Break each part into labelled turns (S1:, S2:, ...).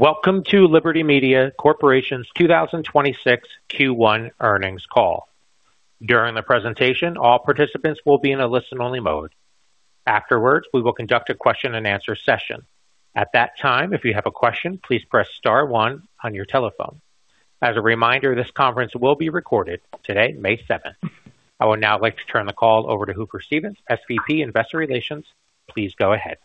S1: Welcome to Liberty Media Corporation's 2026 Q1 earnings call. During the presentation, all participants will be in a listen-only mode. Afterwards, we will conduct a question-and-answer session.At that time, if you have a question, please press star one on your telephone. As a reminder, this conference will be recorded today, May 7th. I would now like to turn the call over to Hooper Stevens, SVP, Investor Relations. Please go ahead.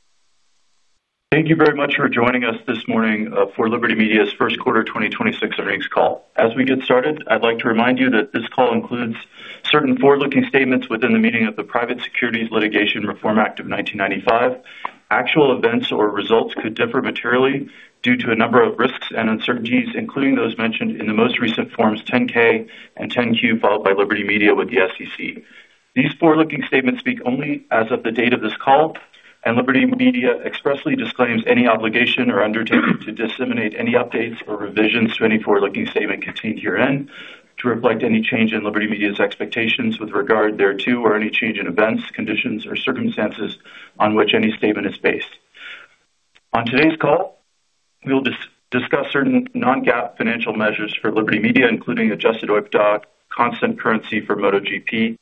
S2: Thank you very much for joining us this morning, for Liberty Media's first quarter 2026 earnings call. As we get started, I'd like to remind you that this call includes certain forward-looking statements within the meaning of the Private Securities Litigation Reform Act of 1995. Actual events or results could differ materially due to a number of risks and uncertainties, including those mentioned in the most recent forms 10-K and 10-Q filed by Liberty Media with the SEC. These forward-looking statements speak only as of the date of this call, and Liberty Media expressly disclaims any obligation or undertaking to disseminate any updates or revisions to any forward-looking statement contained herein to reflect any change in Liberty Media's expectations with regard thereto, or any change in events, conditions, or circumstances on which any statement is based. On today's call, we will discuss certain non-GAAP financial measures for Liberty Media, including Adjusted OIBDA, constant currency for MotoGP.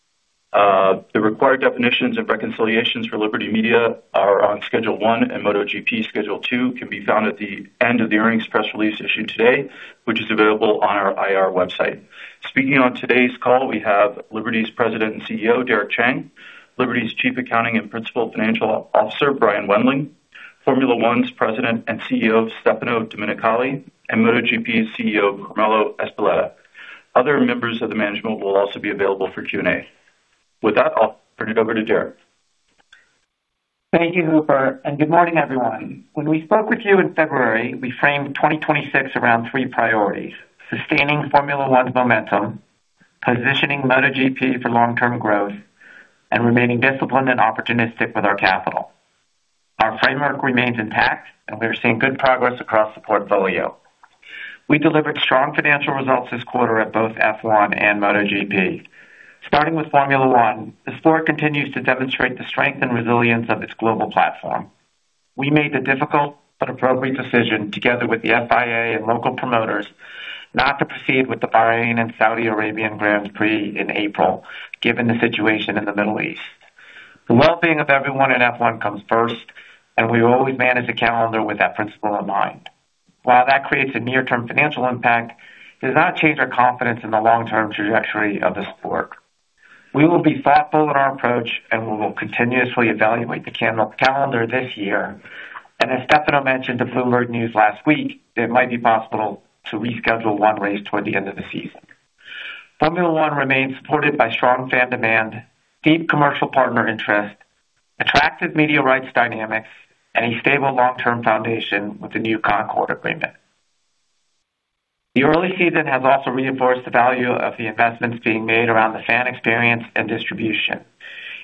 S2: The required definitions and reconciliations for Liberty Media are on Schedule 1, and MotoGP Schedule 2 can be found at the end of the earnings press release issued today, which is available on our IR website. Speaking on today's call, we have Liberty's President and CEO, Derek Chang; Liberty's Chief Accounting and Principal Financial Officer, Brian Wendling; Formula One's President and CEO, Stefano Domenicali; and MotoGP's CEO, Carmelo Ezpeleta. Other members of the management will also be available for Q&A. With that, I'll turn it over to Derek.
S3: Thank you, Hooper. Good morning, everyone. When we spoke with you in February, we framed 2026 around three priorities: sustaining Formula One's momentum, positioning MotoGP for long-term growth, and remaining disciplined and opportunistic with our capital. Our framework remains intact. We are seeing good progress across the portfolio. We delivered strong financial results this quarter at both F1 and MotoGP. Starting with Formula One, the sport continues to demonstrate the strength and resilience of its global platform. We made the difficult but appropriate decision, together with the FIA and local promoters, not to proceed with the Bahrain and Saudi Arabian Grands Prix in April, given the situation in the Middle East. The well-being of everyone in F1 comes first. We always manage the calendar with that principle in mind. While that creates a near-term financial impact, it does not change our confidence in the long-term trajectory of the sport. We will be thoughtful in our approach, we will continuously evaluate the calendar this year. As Stefano mentioned to Bloomberg News last week, it might be possible to reschedule one race toward the end of the season. Formula One remains supported by strong fan demand, deep commercial partner interest, attractive media rights dynamics, and a stable long-term foundation with the new Concorde Agreement. The early season has also reinforced the value of the investments being made around the fan experience and distribution.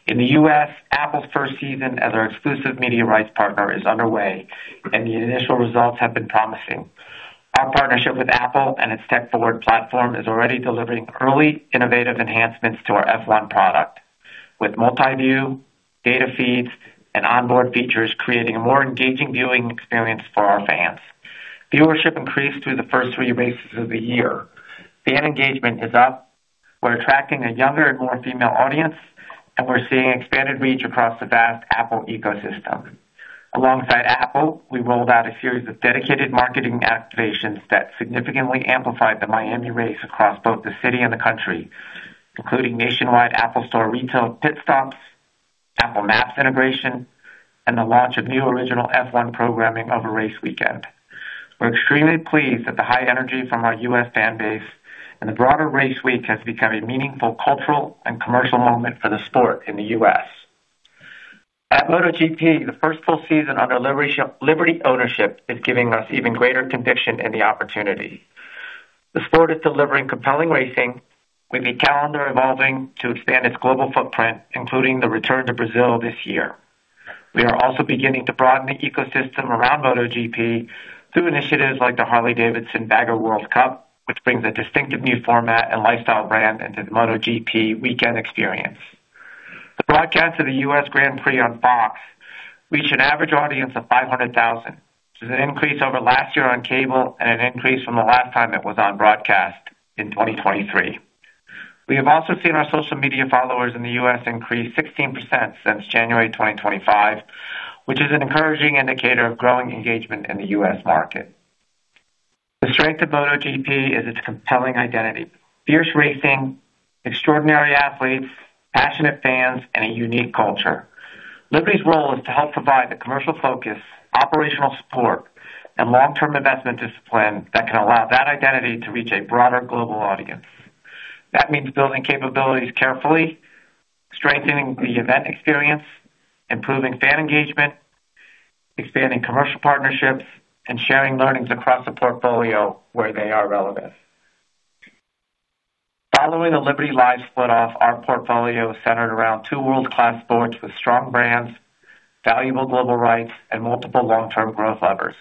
S3: In the U.S., Apple's first season as our exclusive media rights partner is underway, the initial results have been promising. Our partnership with Apple and its Tech Forward platform is already delivering early innovative enhancements to our F1 product, with multi-view, data feeds, and onboard features creating a more engaging viewing experience for our fans. Viewership increased through the first three races of the year. Fan engagement is up. We're attracting a younger and more female audience, and we're seeing expanded reach across the vast Apple ecosystem. Alongside Apple, we rolled out a series of dedicated marketing activations that significantly amplified the Miami race across both the city and the country, including nationwide Apple Store retail pit stops, Apple Maps integration, and the launch of new original F1 programming over race weekend. We're extremely pleased that the high energy from our U.S. fan base and the broader race week has become a meaningful cultural and commercial moment for the sport in the U.S. At MotoGP, the first full season under Liberty Media ownership is giving us even greater conviction in the opportunity. The sport is delivering compelling racing with the calendar evolving to expand its global footprint, including the return to Brazil this year. We are also beginning to broaden the ecosystem around MotoGP through initiatives like the Harley-Davidson Bagger World Cup, which brings a distinctive new format and lifestyle brand into the MotoGP weekend experience. The broadcast of the U.S. Grand Prix on Fox reached an average audience of 500,000. This is an increase over last year on cable and an increase from the last time it was on broadcast in 2023. We have also seen our social media followers in the U.S. increase 16% since January 2025, which is an encouraging indicator of growing engagement in the U.S. market. The strength of MotoGP is its compelling identity, fierce racing, extraordinary athletes, passionate fans, and a unique culture. Liberty's role is to help provide the commercial focus, operational support, and long-term investment discipline that can allow that identity to reach a broader global audience. That means building capabilities carefully, strengthening the event experience, improving fan engagement, expanding commercial partnerships, and sharing learnings across the portfolio where they are relevant. Following the Liberty Live split off, our portfolio is centered around two world-class boards with strong brands, valuable global rights, and multiple long-term growth levers.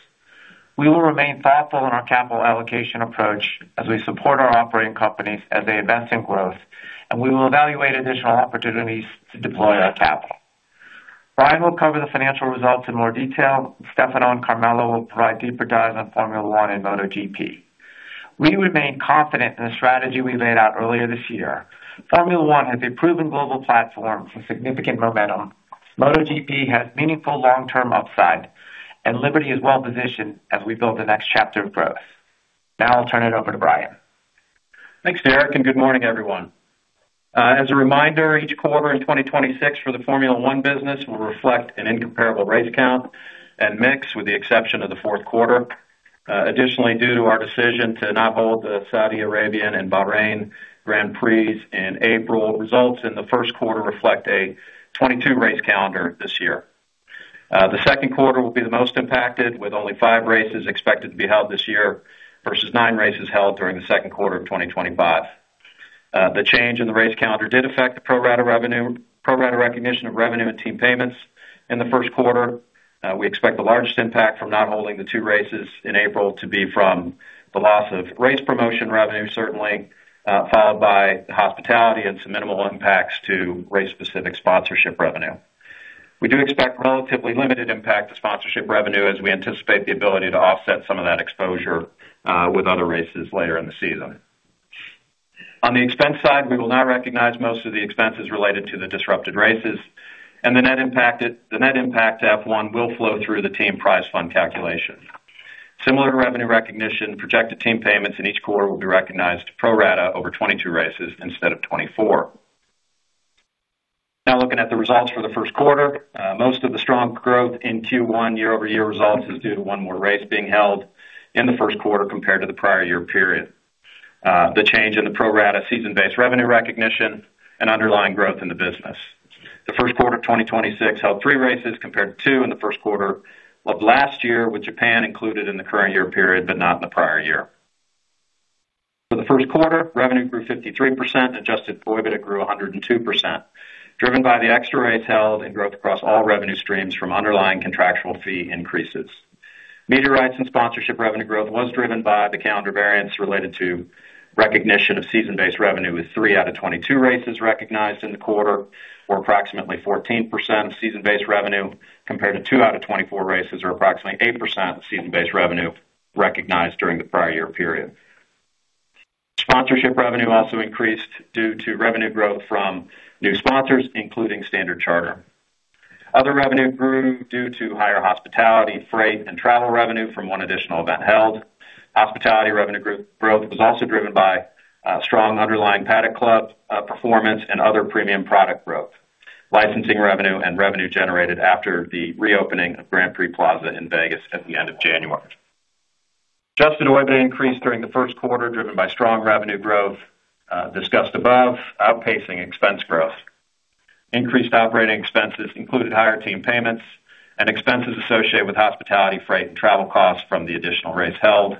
S3: We will remain thoughtful in our capital allocation approach as we support our operating companies as they invest in growth, we will evaluate additional opportunities to deploy our capital. Brian will cover the financial results in more detail. Stefano and Carmelo will provide deeper dive on Formula One and MotoGP. We remain confident in the strategy we laid out earlier this year. Formula One has a proven global platform for significant momentum. MotoGP has meaningful long-term upside, and Liberty is well-positioned as we build the next chapter of growth. Now I'll turn it over to Brian.
S4: Thanks, Stefano Domenicali, good morning, everyone. As a reminder, each quarter in 2026 for the Formula One business will reflect an incomparable race count and mix, with the exception of the fourth quarter. Additionally, due to our decision to not hold the Saudi Arabian and Bahrain Grand Prix in April, results in the first quarter reflect a 22 race calendar this year. The second quarter will be the most impacted, with only five races expected to be held this year versus nine races held during the second quarter of 2025. The change in the race calendar did affect the pro rata recognition of revenue and team payments in the first quarter. We expect the largest impact from not holding the two races in April to be from the loss of race promotion revenue, certainly, followed by hospitality and some minimal impacts to race-specific sponsorship revenue. We do expect relatively limited impact to sponsorship revenue as we anticipate the ability to offset some of that exposure with other races later in the season. On the expense side, we will now recognize most of the expenses related to the disrupted races and the net impact to F1 will flow through the team prize fund calculation. Similar to revenue recognition, projected team payments in each quarter will be recognized pro rata over 22 races instead of 24. Now, looking at the results for the first quarter, most of the strong growth in Q1 year-over-year results is due to one more race being held in the first quarter compared to the prior year period. The change in the pro rata season-based revenue recognition and underlying growth in the business. The first quarter of 2026 held three races compared to two in the first quarter of last year, with Japan included in the current year period, but not in the prior year. For the first quarter, revenue grew 53%. Adjusted OIBDA grew 102%, driven by the extra races held in growth across all revenue streams from underlying contractual fee increases. Media rights and sponsorship revenue growth was driven by the calendar variance related to recognition of season-based revenue, with three out of 22 races recognized in the quarter, or approximately 14% of season-based revenue, compared to two out of 24 races, or approximately 8% of season-based revenue recognized during the prior year period. Sponsorship revenue also increased due to revenue growth from new sponsors, including Standard Chartered. Other revenue grew due to higher hospitality, freight, and travel revenue from one additional event held. Hospitality revenue growth was also driven by strong underlying Paddock Club performance and other premium product growth, licensing revenue, and revenue generated after the reopening of Grand Prix Plaza in Vegas at the end of January. Adjusted OIBDA increased during the first quarter, driven by strong revenue growth discussed above, outpacing expense growth. Increased operating expenses included higher team payments and expenses associated with hospitality, freight, and travel costs from the additional race held,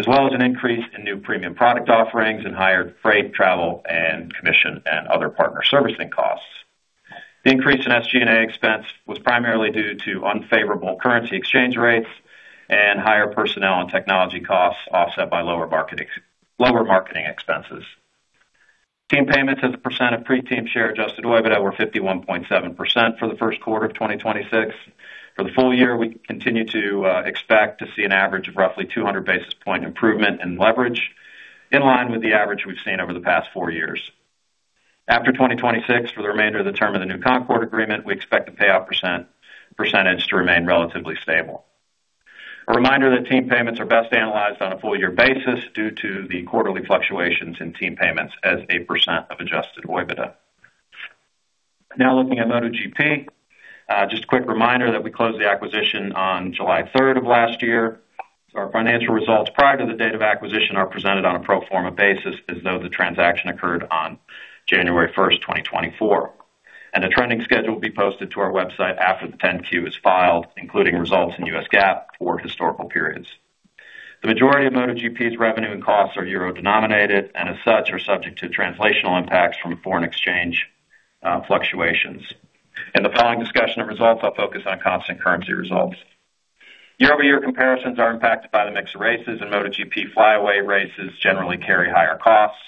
S4: as well as an increase in new premium product offerings and higher freight, travel, and commission and other partner servicing costs. The increase in SG&A expense was primarily due to unfavorable currency exchange rates and higher personnel and technology costs, offset by lower marketing expenses. Team payments as a percent of pre-team share Adjusted OIBDA were 51.7% for the first quarter of 2026. For the full year, we continue to expect to see an average of roughly 200 basis point improvement in leverage, in line with the average we've seen over the past four years. After 2026, for the remainder of the term of the new Concorde Agreement, we expect the payout percentage to remain relatively stable. A reminder that team payments are best analyzed on a full year basis due to the quarterly fluctuations in team payments as a percent of Adjusted OIBDA. Looking at MotoGP, just a quick reminder that we closed the acquisition on July 3 of last year. Our financial results prior to the date of acquisition are presented on a pro forma basis as though the transaction occurred on January 1, 2024. A trending schedule will be posted to our website after the 10-Q is filed, including results in U.S. GAAP for historical periods. The majority of MotoGP's revenue and costs are euro-denominated, and as such, are subject to translational impacts from foreign exchange fluctuations. In the following discussion of results, I'll focus on constant currency results. Year-over-year comparisons are impacted by the mix of races, and MotoGP flyaway races generally carry higher costs,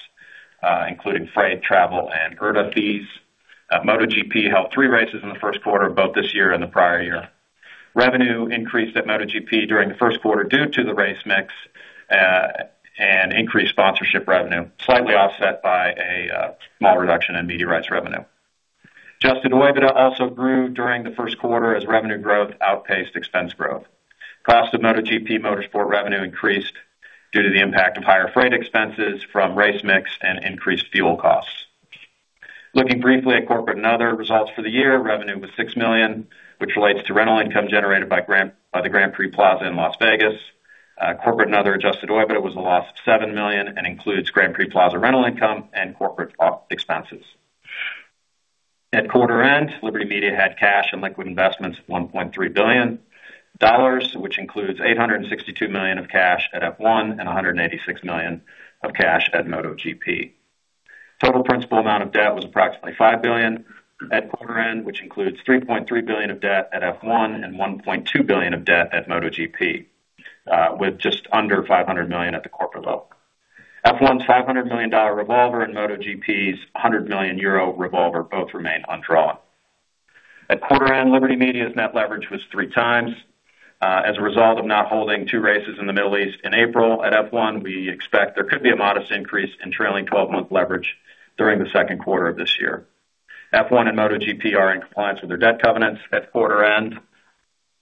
S4: including freight, travel, and IRTA fees. MotoGP held three races in the first quarter, both this year and the prior year. Revenue increased at MotoGP during the first quarter due to the race mix, and increased sponsorship revenue, slightly offset by a small reduction in media rights revenue. Adjusted OIBDA also grew during the first quarter as revenue growth outpaced expense growth. Cost of MotoGP motorsport revenue increased due to the impact of higher freight expenses from race mix and increased fuel costs. Looking briefly at corporate and other results for the year, revenue was $6 million, which relates to rental income generated by the Grand Prix Plaza in Las Vegas. Corporate and other adjusted OIBDA was a loss of $7 million and includes Grand Prix Plaza rental income and corporate expenses. At quarter end, Liberty Media had cash and liquid investments of $1.3 billion, which includes $862 million of cash at F1 and $186 million of cash at MotoGP. Total principal amount of debt was approximately $5 billion at quarter end, which includes $3.3 billion of debt at F1 and $1.2 billion of debt at MotoGP, with just under $500 million at the corporate level. F1's $500 million revolver and MotoGP's 100 million euro revolver both remain undrawn. At quarter end, Liberty Media's net leverage was 3 times. As a result of not holding two races in the Middle East in April at F1, we expect there could be a modest increase in trailing 12-month leverage during the second quarter of this year. F1 and MotoGP are in compliance with their debt covenants at quarter end.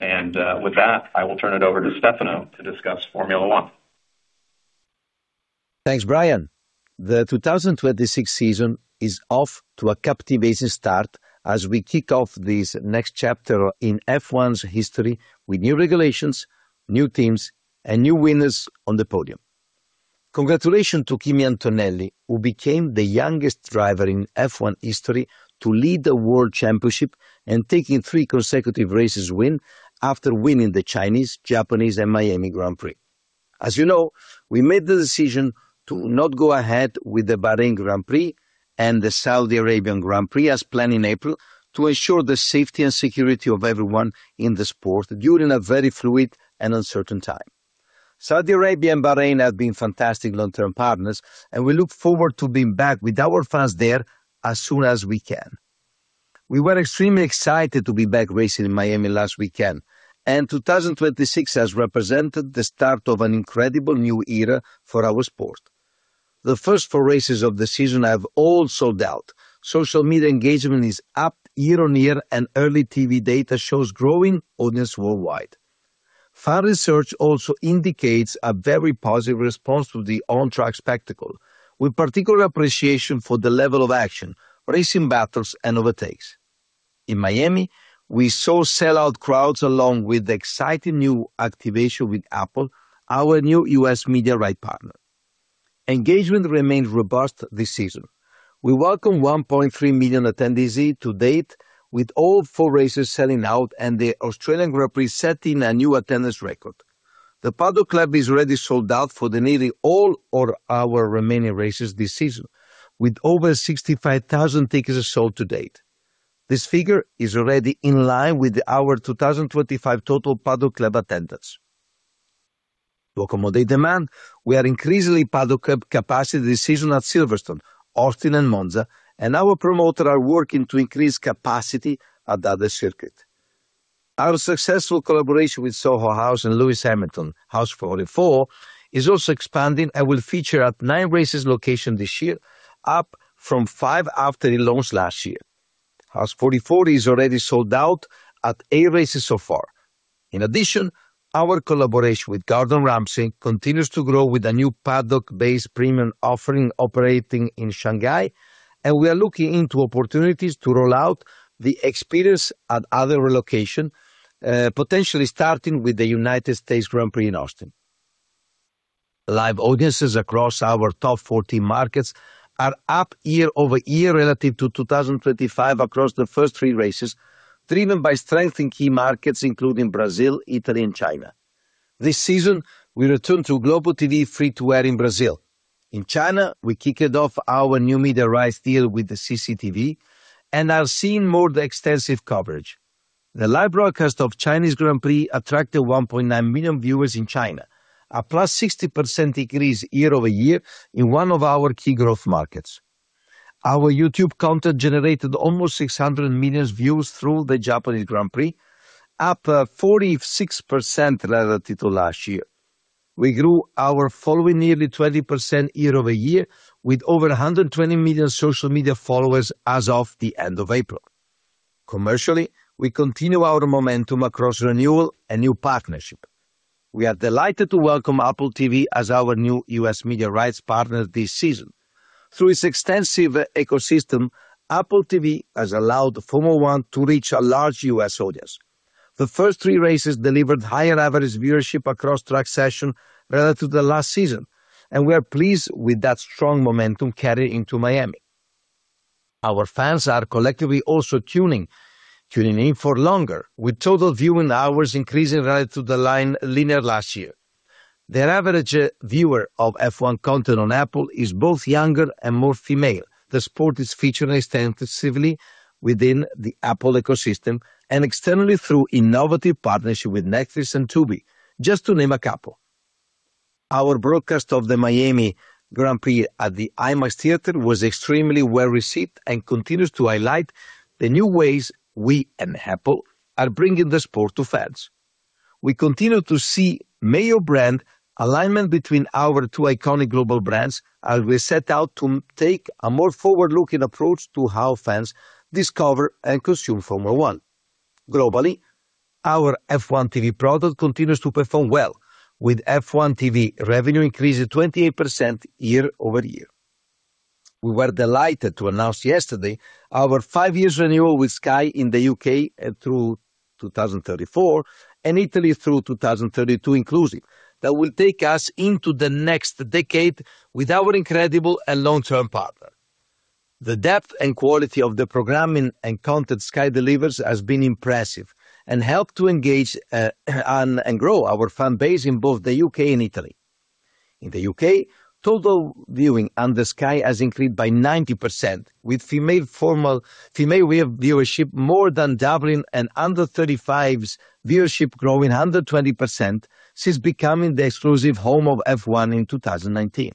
S4: With that, I will turn it over to Stefano to discuss Formula One.
S5: Thanks, Brian. The 2026 season is off to a captivating start as we kick off this next chapter in F1's history with new regulations, new teams, and new winners on the podium. Congratulations to Kimi Antonelli, who became the youngest driver in F1 history to lead the world championship and taking three consecutive races win after winning the Chinese, Japanese, and Miami Grand Prix. As you know, we made the decision to not go ahead with the Bahrain Grand Prix and the Saudi Arabian Grand Prix as planned in April to ensure the safety and security of everyone in the sport during a very fluid and uncertain time. Saudi Arabia and Bahrain have been fantastic long-term partners, and we look forward to being back with our fans there as soon as we can. We were extremely excited to be back racing in Miami last weekend, and 2026 has represented the start of an incredible new era for our sport. The first four races of the season have all sold out. Social media engagement is up year-over-year and early TV data shows growing audience worldwide. Fan research also indicates a very positive response to the on-track spectacle, with particular appreciation for the level of action, racing battles, and overtakes. In Miami, we saw sell-out crowds along with exciting new activation with Apple, our new U.S. media right partner. Engagement remains robust this season. We welcome 1.3 million attendees to date, with all four races selling out and the Australian Grand Prix setting a new attendance record. The Paddock Club is already sold out for nearly all of our remaining races this season, with over 65,000 tickets sold to date. This figure is already in line with our 2025 total Paddock Club attendance. To accommodate demand, we are increasing Paddock Club capacity this season at Silverstone, Austin, and Monza, and our promoters are working to increase capacity at the other circuits. Our successful collaboration with Soho House and Lewis Hamilton, House 44, is also expanding and will feature at 9 races location this year, up from five after it launched last year. House 44 is already sold out at 8 races so far. In addition, our collaboration with Gordon Ramsay continues to grow with a new Paddock-based premium offering operating in Shanghai, and we are looking into opportunities to roll out the experience at other locations, potentially starting with the United States Grand Prix in Austin. Live audiences across our top 14 markets are up year-over-year relative to 2025 across the first three races, driven by strength in key markets, including Brazil, Italy, and China. This season, we return to Globo TV free-to-air in Brazil. In China, we kicked off our new media rights deal with the CCTV and are seeing more extensive coverage. The live broadcast of Chinese Grand Prix attracted 1.9 million viewers in China, a +60% increase year-over-year in one of our key growth markets. Our YouTube content generated almost 600 million views through the Japanese Grand Prix, up 46% relative to last year. We grew our following nearly 20% year-over-year with over 120 million social media followers as of the end of April. We continue our momentum across renewal and new partnership. We are delighted to welcome Apple TV as our new U.S. media rights partner this season. Through its extensive ecosystem, Apple TV has allowed Formula One to reach a large U.S. audience. The first three races delivered higher average viewership across track session relative to the last season. We are pleased with that strong momentum carried into Miami. Our fans are collectively also tuning in for longer, with total viewing hours increasing relative to the linear last year. The average viewer of F1 content on Apple is both younger and more female. The sport is featured extensively within the Apple ecosystem and externally through innovative partnership with Netflix and Tubi, just to name a couple. Our broadcast of the Miami Grand Prix at the IMAX theater was extremely well-received and continues to highlight the new ways we and Apple are bringing the sport to fans. We continue to see major brand alignment between our two iconic global brands as we set out to take a more forward-looking approach to how fans discover and consume Formula One. Globally, our F1 TV product continues to perform well, with F1 TV revenue increasing 28% year-over-year. We were delighted to announce yesterday our five-years renewal with Sky in the U.K. through 2034 and Italy through 2032 inclusive. That will take us into the next decade with our incredible and long-term partner. The depth and quality of the programming and content Sky delivers has been impressive and helped to engage and grow our fan base in both the U.K. and Italy. In the U.K., total viewing on the Sky has increased by 90%, with female viewership more than doubling, and under 35's viewership growing 120% since becoming the exclusive home of F1 in 2019.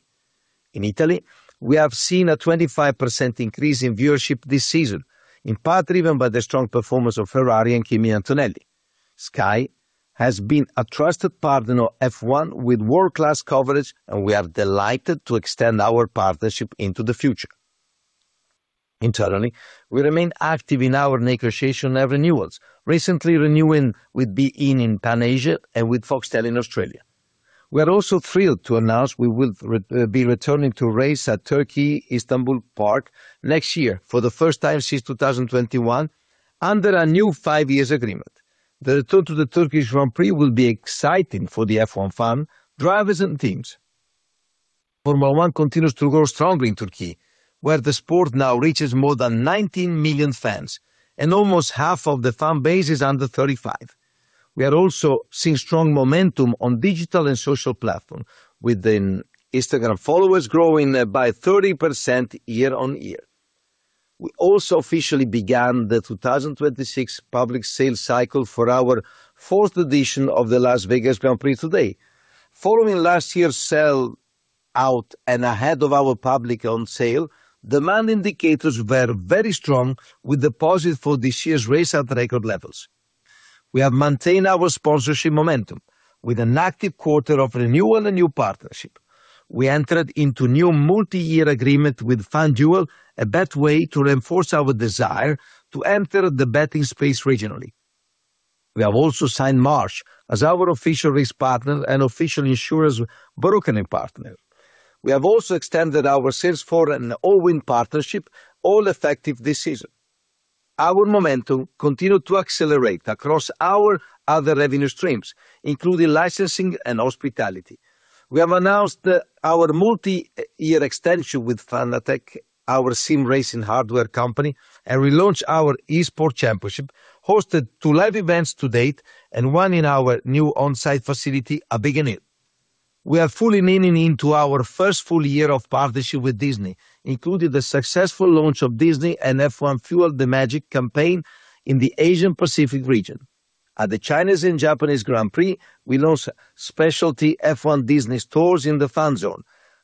S5: In Italy, we have seen a 25% increase in viewership this season, in part driven by the strong performance of Ferrari and Kimi Antonelli. Sky has been a trusted partner of F1 with world-class coverage, we are delighted to extend our partnership into the future. Internally, we remain active in our negotiation and renewals, recently renewing with beIN in Pan Asia and with Foxtel in Australia. We're also thrilled to announce we will be returning to race at Turkey Istanbul Park next year for the first time since 2021 under a new five-year agreement. The return to the Turkish Grand Prix will be exciting for the F1 fan, drivers and teams. Formula 1 continues to grow strongly in Turkey, where the sport now reaches more than 19 million fans, and almost half of the fan base is under 35. We are also seeing strong momentum on digital and social platform, with the Instagram followers growing by 30% year-on-year. We also officially began the 2026 public sales cycle for our fourth edition of the Las Vegas Grand Prix today. Following last year's sellout and ahead of our public on sale, demand indicators were very strong with deposits for this year's race at record levels. We have maintained our sponsorship momentum with an active quarter of renewal and new partnership. We entered into new multi-year agreement with FanDuel and Betway to reinforce our desire to enter the betting space regionally. We have also signed Marsh as our official race partner and official insurance brokering partner. We have also extended our Salesforce and Allwyn partnership, all effective this season. Our momentum continued to accelerate across our other revenue streams, including licensing and hospitality. We have announced our multi-year extension with Fanatec, our sim racing hardware company, and relaunched our esports championship, hosted 2 live events to date and 1 in our new on-site facility, Biggin Hill. We are fully leaning into our first full year of partnership with Disney, including the successful launch of Disney and F1 Fuel the Magic campaign in the Asia-Pacific region. At the Chinese and Japanese Grand Prix, we launched specialty F1 Disney stores in the fan zone,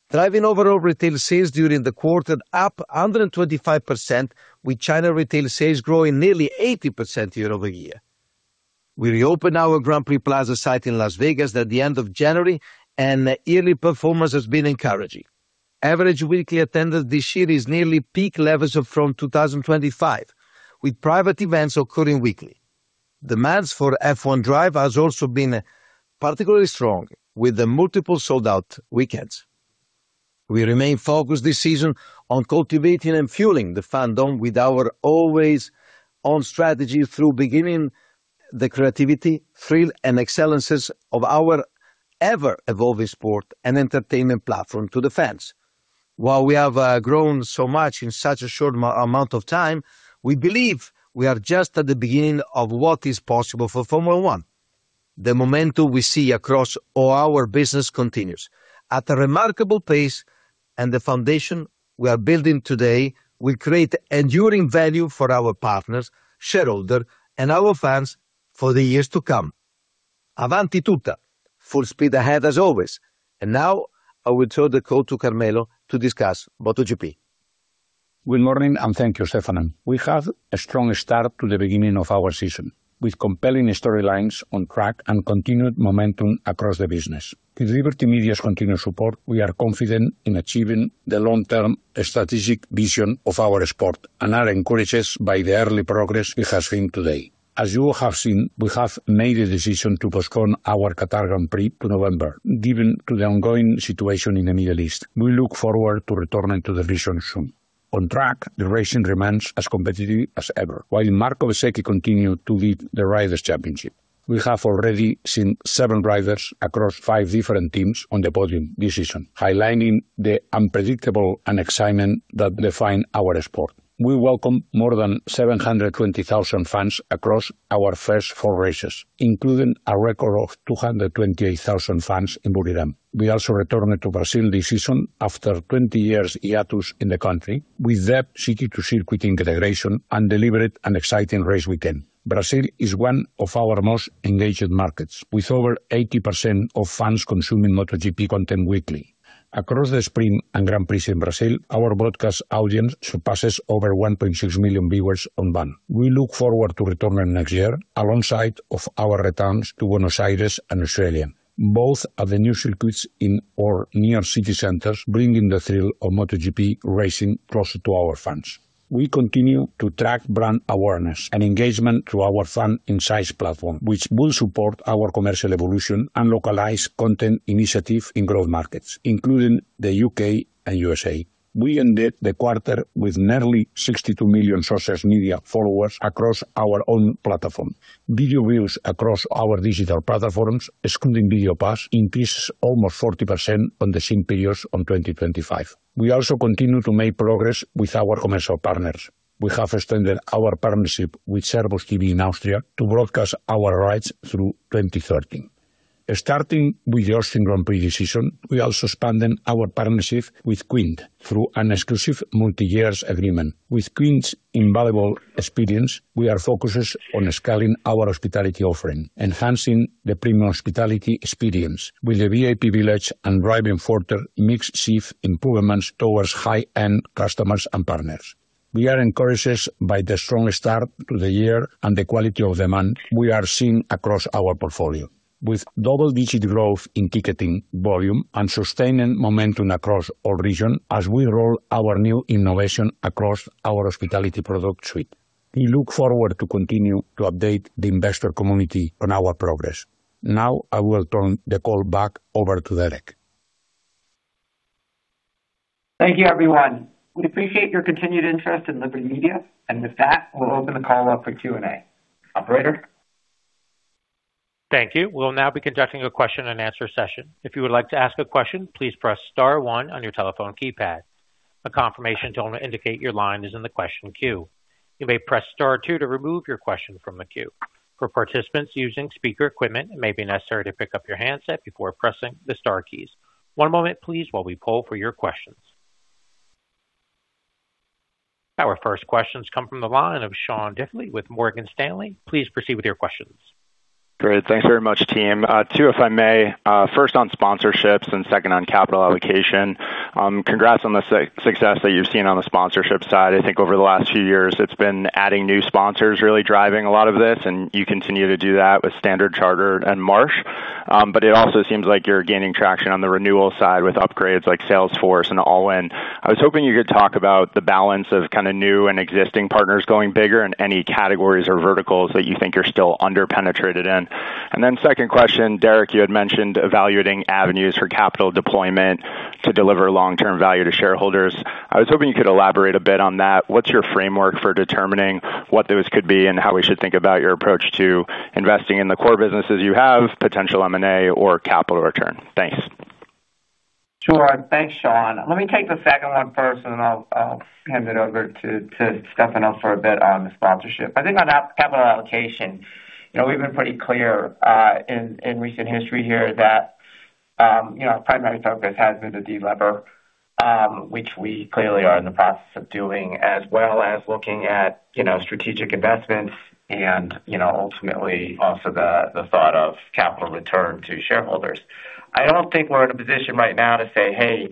S5: driving overall retail sales during the quarter up 125%, with China retail sales growing nearly 80% year-over-year. We reopened our Grand Prix Plaza site in Las Vegas at the end of January, and early performance has been encouraging. Average weekly attendance this year is nearly peak levels of from 2025, with private events occurring weekly. Demands for F1 Drive has also been particularly strong, with the multiple sold-out weekends. We remain focused this season on cultivating and fueling the fandom with our always-on strategy through beginning the creativity, thrill, and excellence of our ever-evolving sport and entertainment platform to the fans. While we have grown so much in such a short amount of time, we believe we are just at the beginning of what is possible for Formula One. The momentum we see across all our business continues. At a remarkable pace and the foundation we are building today, we create enduring value for our partners, shareholders, and our fans for the years to come. Avanti tutta, full speed ahead as always. Now, I will throw the call to Carmelo to discuss MotoGP.
S6: Good morning, thank you, Stefano. We had a strong start to the beginning of our season, with compelling storylines on track and continued momentum across the business. With Liberty Media's continued support, we are confident in achieving the long-term strategic vision of our sport and are encouraged by the early progress we have seen today. As you have seen, we have made a decision to postpone our Qatar Grand Prix to November, given to the ongoing situation in the Middle East. We look forward to returning to the region soon. On track, the racing remains as competitive as ever. While Marco Bezzecchi continued to lead the Riders' Championship, we have already seen seven riders across five different teams on the podium this season, highlighting the unpredictable and excitement that define our sport. We welcome more than 720,000 fans across our first four races, including a record of 228,000 fans in Buriram. We also returned to Brazil this season after 20 years hiatus in the country with that city-to-circuit integration and delivered an exciting race weekend. Brazil is one of our most engaged markets, with over 80% of fans consuming MotoGP content weekly. Across the Sprint and Grand Prix in Brazil, our broadcast audience surpasses over 1.6 million viewers on Band. We look forward to returning next year alongside of our returns to Buenos Aires and Australia, both at the new circuits in or near city centers, bringing the thrill of MotoGP racing closer to our fans. We continue to track brand awareness and engagement through our fan insights platform, which will support our commercial evolution and localized content initiative in growth markets, including the U.K. and U.S.A. We ended the quarter with nearly 62 million social media followers across our own platform. Video views across our digital platforms, excluding video pass, increased almost 40% on the same periods on 2025. We also continue to make progress with our commercial partners. We have extended our partnership with ServusTV in Austria to broadcast our rides through 2030. Starting with the United States Grand Prix this season, we are expanding our partnership with Quint through an exclusive multi-years agreement. With Quint's invaluable experience, we are focused on scaling our hospitality offering, enhancing the premium hospitality experience with the VIP Village and driving further significant improvements towards high-end customers and partners. We are encouraged by the strong start to the year and the quality of demand we are seeing across our portfolio. With double-digit growth in ticketing volume and sustaining momentum across all regions as we roll our new innovation across our hospitality product suite. We look forward to continue to update the investor community on our progress. I will turn the call back over to Derek.
S3: Thank you, everyone. We appreciate your continued interest in Liberty Media. With that, we'll open the call up for Q&A. Operator?
S1: Thank you. We'll now be conducting a question-and-answer session. If you would like to ask questions please press star one on you telephone keypad. The confirmation will only indicate your question in the line queue. You may press two to remove yo question. Our first questions come from the line of Sean Diffley with Morgan Stanley. Please proceed with your questions.
S7: Great. Thanks very much, team. Two, if I may. First on sponsorships and second on capital allocation. Congrats on the success that you've seen on the sponsorship side. I think over the last few years, it's been adding new sponsors really driving a lot of this, and you continue to do that with Standard Chartered and Marsh. It also seems like you're gaining traction on the renewal side with upgrades like Salesforce and Allwyn. I was hoping you could talk about the balance of kind of new and existing partners going bigger and any categories or verticals that you think you're still under-penetrated in. Second question, Derek, you had mentioned evaluating avenues for capital deployment to deliver long-term value to shareholders. I was hoping you could elaborate a bit on that. What's your framework for determining what those could be and how we should think about your approach to investing in the core businesses you have, potential M&A or capital return? Thanks.
S3: Sure. Thanks, Sean. Let me take the second one first, and I'll hand it over to Stefano for a bit on the sponsorship. I think on that capital allocation, you know, we've been pretty clear in recent history here that, you know, primary focus has been to delever, which we clearly are in the process of doing, as well as looking at, you know, strategic investments and, you know, ultimately also the thought of capital return to shareholders. I don't think we're in a position right now to say, "Hey,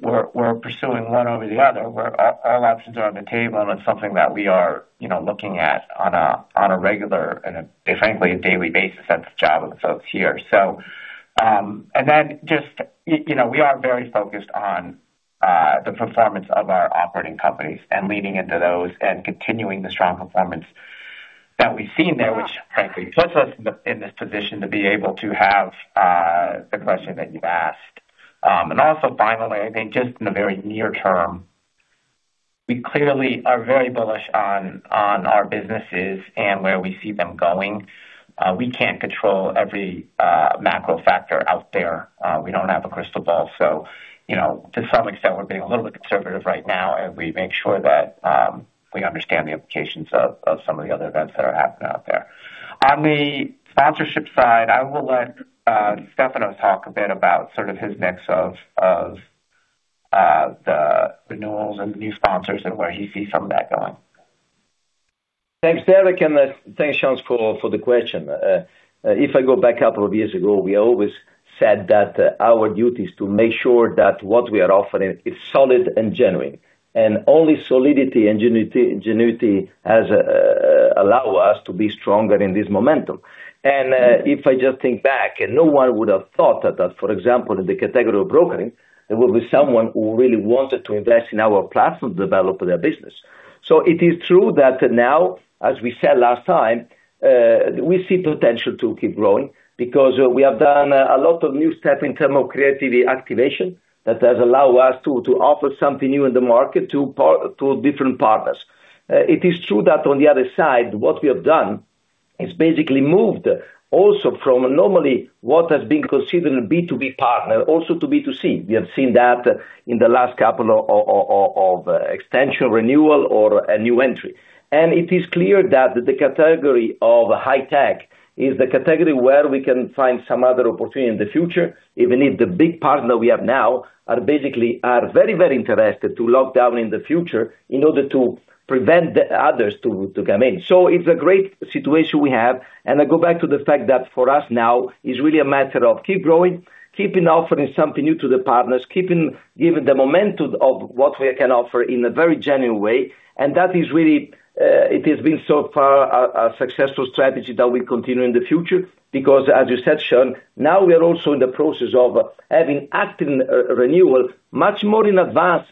S3: we're pursuing one over the other." All options are on the table, and it's something that we are, you know, looking at on a regular and, frankly, a daily basis. That's the job of the folks here. You know, we are very focused on the performance of our operating companies and leaning into those and continuing the strong performance that we've seen there, which frankly, puts us in this position to be able to have the question that you asked. Finally, I think just in the very near term, we clearly are very bullish on our businesses and where we see them going. We can't control every macro factor out there. We don't have a crystal ball. You know, to some extent, we're being a little bit conservative right now as we make sure that we understand the implications of some of the other events that are happening out there. On the sponsorship side, I will let Stefano talk a bit about sort of his mix of the renewals and new sponsors and where he sees some back on.
S5: Thanks, Derek, and thanks, Sean, for the question. If I go back a couple of years ago, we always said that our duty is to make sure that what we are offering is solid and genuine. Only solidity and ingenuity has allow us to be stronger in this momentum. If I just think back, no one would have thought that, for example, in the category of brokering, there would be someone who really wanted to invest in our platform to develop their business. It is true that now, as we said last time, we see potential to keep growing because we have done a lot of new step in term of creativity activation that has allow us to offer something new in the market to different partners. It is true that on the other side, what we have done is basically moved also from normally what has been considered a B2B partner also to B2C. We have seen that in the last couple of extension renewal or a new entry. It is clear that the category of high tech is the category where we can find some other opportunity in the future, even if the big partner we have now are basically are very, very interested to lock down in the future in order to prevent the others to come in. It's a great situation we have. I go back to the fact that for us now, it's really a matter of keep growing, keeping offering something new to the partners, keeping giving the momentum of what we can offer in a very genuine way. That is really, it has been so far a successful strategy that we continue in the future because as you said, Sean, now we are also in the process of having active renewal much more in advance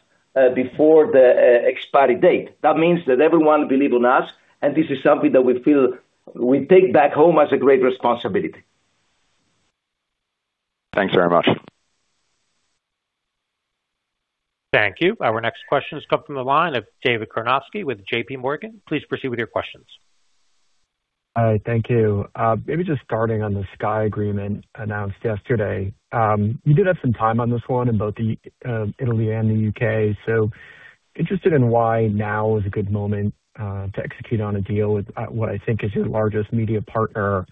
S5: before the expiry date. That means that everyone believe in us, and this is something that we feel we take back home as a great responsibility.
S7: Thanks very much.
S1: Thank you. Our next questions come from the line of David Karnovsky with JPMorgan. Please proceed with your questions.
S8: Hi. Thank you. Maybe just starting on the Sky agreement announced yesterday. You did have some time on this one in both the Italy and the U.K. Interested in why now is a good moment to execute on a deal with what I think is your largest media partner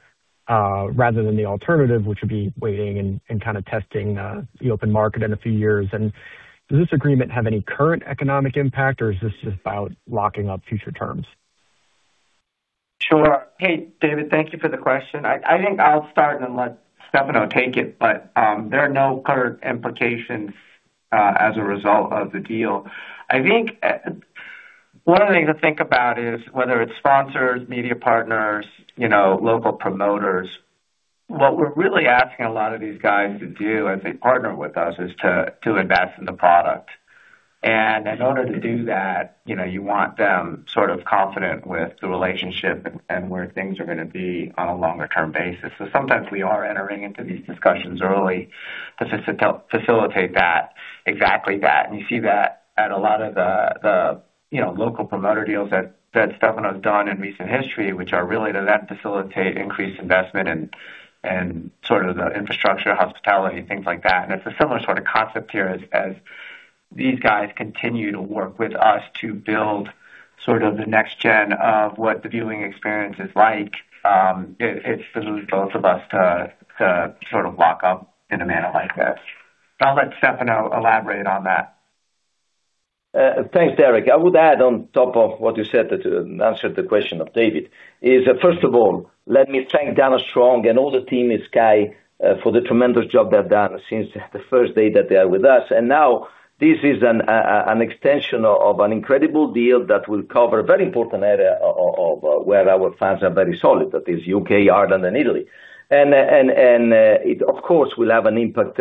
S8: rather than the alternative, which would be waiting and kind of testing the open market in a few years. Does this agreement have any current economic impact, or is this just about locking up future terms?
S3: Sure. Hey, David, thank you for the question. I think I'll start and then let Stefano take it, but there are no current implications as a result of the deal. I think one of the things to think about is whether it's sponsors, media partners, you know, local promoters. What we're really asking a lot of these guys to do as they partner with us is to invest in the product. In order to do that, you know, you want them sort of confident with the relationship and where things are gonna be on a longer term basis. Sometimes we are entering into these discussions early to facilitate that, exactly that. You see that at a lot of the, you know, local promoter deals that Stefano has done in recent history, which are really to then facilitate increased investment and sort of the infrastructure, hospitality, things like that. It's a similar sort of concept here as these guys continue to work with us to build sort of the next gen of what the viewing experience is like, it suits both of us to sort of lock up in a manner like this. I'll let Stefano elaborate on that.
S5: Thanks, Derek. I would add on top of what you said that answered the question of David is, first of all, let me thank Dana Strong and all the team at Sky for the tremendous job they've done since the first day that they are with us. Now this is an extension of an incredible deal that will cover a very important area where our fans are very solid. That is U.K., Ireland and Italy. It of course, will have an impact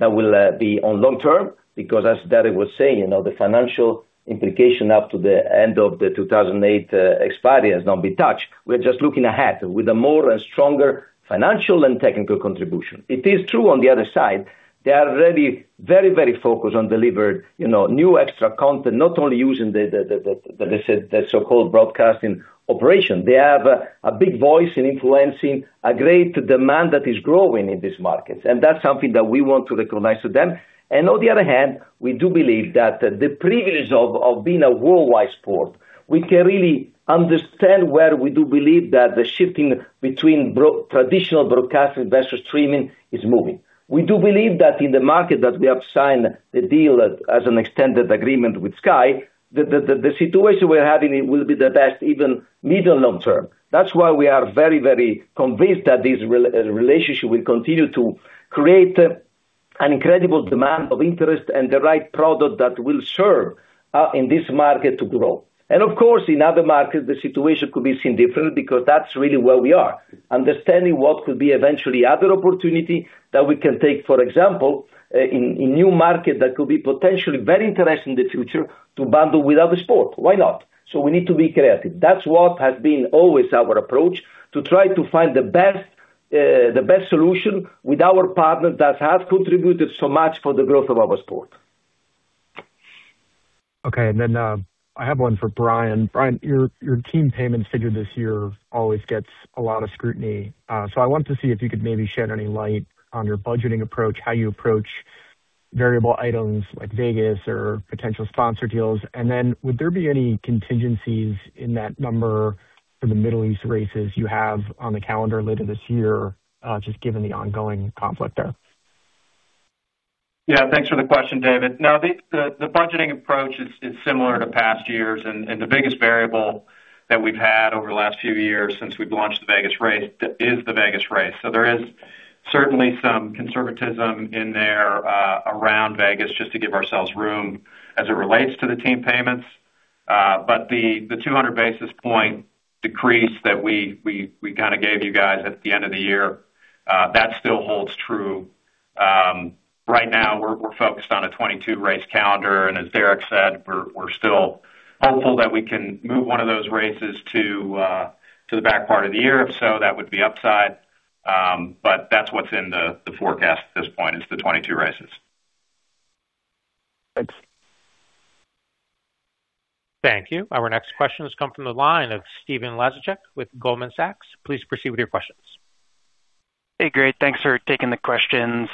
S5: that will be on long term because as Derek was saying, you know, the financial implication up to the end of the 2008 expiry has not been touched. We're just looking ahead with a more and stronger financial and technical contribution. It is true on the other side, they are very, very, very focused on delivered, you know, new extra content, not only using the so-called broadcasting operation. They have a big voice in influencing a great demand that is growing in these markets, and that's something that we want to recognize to them. On the other hand, we do believe that the privilege of being a worldwide sport, we can really understand where we do believe that the shifting between traditional broadcasting versus streaming is moving. We do believe that in the market that we have signed the deal as an extended agreement with Sky, the situation we're having will be the best, even medium long term. That's why we are very, very convinced that this re-relationship will continue to create an incredible demand of interest and the right product that will serve in this market to grow. Of course, in other markets, the situation could be seen different because that's really where we are. Understanding what could be eventually other opportunity that we can take, for example, in new market that could be potentially very interesting in the future to bundle with other sport. Why not? We need to be creative. That's what has been always our approach to try to find the best solution with our partners that has contributed so much for the growth of our sport.
S8: Okay. I have one for Brian. Brian, your team payments figure this year always gets a lot of scrutiny. I want to see if you could maybe shed any light on your budgeting approach, how you approach variable items like Vegas or potential sponsor deals. Would there be any contingencies in that number for the Middle East races you have on the calendar later this year, just given the ongoing conflict there?
S4: Thanks for the question, David. The budgeting approach is similar to past years, and the biggest variable that we've had over the last few years since we've launched the Vegas race is the Vegas race. There is certainly some conservatism in there around Vegas just to give ourselves room as it relates to the team payments. The 200 basis point decrease that we kinda gave you guys at the end of the year, that still holds true. Right now we're focused on a 22 race calendar, and as Derek said, we're still hopeful that we can move one of those races to the back part of the year. If so, that would be upside. That's what's in the forecast at this point is the 22 races.
S8: Thanks.
S1: Thank you. Our next question has come from the line of Stephen Laszczyk with Goldman Sachs. Please proceed with your questions.
S9: Hey, great. Thanks for taking the questions.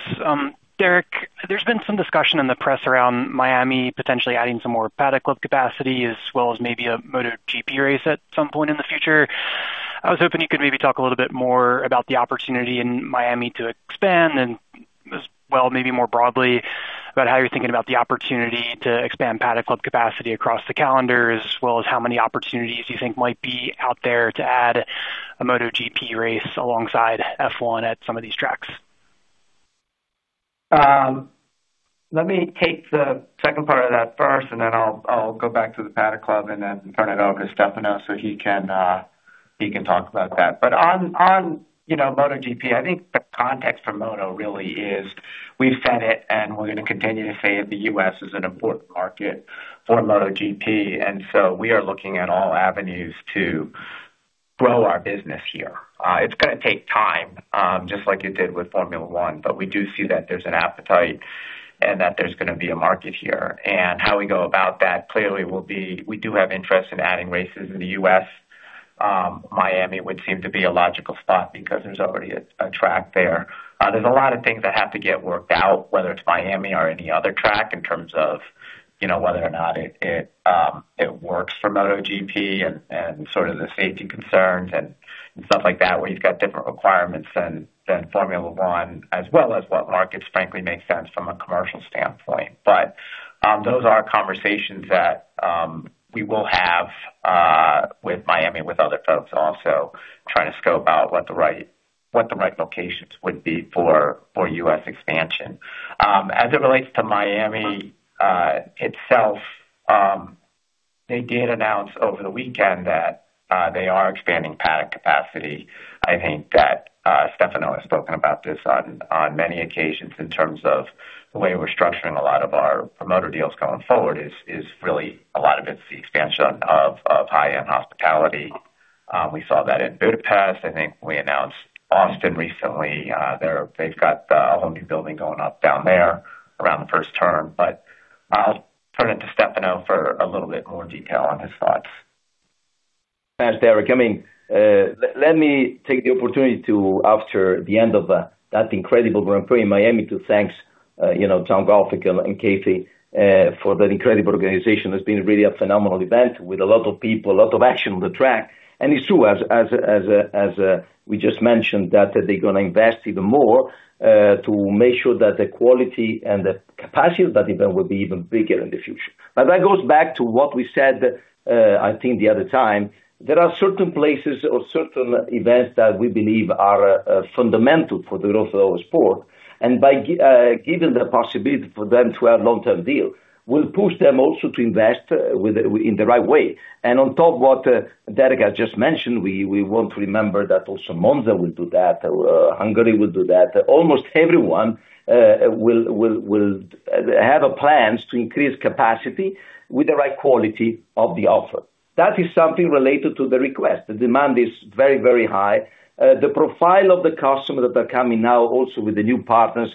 S9: Derek, there's been some discussion in the press around Miami potentially adding some more Paddock Club capacity, as well as maybe a MotoGP race at some point in the future. I was hoping you could maybe talk a little bit more about the opportunity in Miami to expand and as well, maybe more broadly about how you're thinking about the opportunity to expand Paddock Club capacity across the calendar, as well as how many opportunities you think might be out there to add a MotoGP race alongside Formula One at some of these tracks?
S3: Let me take the second part of that first, and then I'll go back to the Paddock Club and then turn it over to Stefano so he can talk about that. On, you know, MotoGP, I think the context for MotoGP really is we've said it, we're gonna continue to say it, the U.S. is an important market for MotoGP, we are looking at all avenues to grow our business here. It's gonna take time, just like it did with Formula One, we do see that there's an appetite and that there's gonna be a market here. How we go about that clearly will be, we do have interest in adding races in the U.S. Miami would seem to be a logical spot because there's already a track there. There's a lot of things that have to get worked out, whether it's Miami or any other track in terms of, you know, whether or not it works for MotoGP and sort of the safety concerns and. Stuff like that, where you've got different requirements than Formula One, as well as what markets frankly make sense from a commercial standpoint. Those are conversations that we will have with Miami, with other folks also trying to scope out what the right locations would be for U.S. expansion. As it relates to Miami itself, they did announce over the weekend that they are expanding paddock capacity. I think that Stefano has spoken about this on many occasions in terms of the way we're structuring a lot of our promoter deals going forward is really a lot of it's the expansion of high-end hospitality. We saw that in Budapest. I think we announced Austin recently. They've got a whole new building going up down there around the first turn. I'll turn it to Stefano for a little bit more detail on his thoughts.
S5: Thanks, Derek. Let me take the opportunity to after the end of that incredible Grand Prix in Miami, to thank, you know, John Galtica and Katie, for that incredible organization. It's been really a phenomenal event with a lot of people, a lot of action on the track. It's true as we just mentioned that they're gonna invest even more to make sure that the quality and the capacity of that event will be even bigger in the future. That goes back to what we said, I think the other time, there are certain places or certain events that we believe are fundamental for the growth of our sport. Given the possibility for them to have long-term deal, we'll push them also to invest in the right way. On top what Derek has just mentioned, we want to remember that also Monza will do that or Hungary will do that. Almost everyone will have a plans to increase capacity with the right quality of the offer. That is something related to the request. The demand is very, very high. The profile of the customers that are coming now also with the new partners